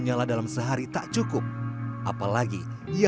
biar saya bisa agak enakan untuk hanya menginap